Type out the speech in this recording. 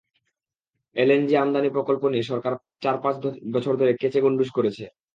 LNG আমদানি প্রকল্প নিয়ে সরকার চার-পাঁচ বছর ধরে অনেক কেঁচে গণ্ডুষ করেছে।